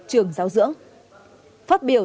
trường giáo dưỡng phát biểu